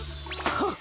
はっ！